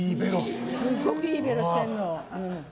すごくいいベロしてるの。